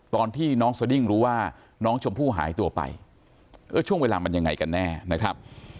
ตอนที่น้องสดิ้งรู้ว่าน้องชมพู่หายตัวไปเออช่วงเวลามันยังไงกันแน่นะครับ